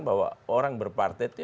bahwa orang berpartai itu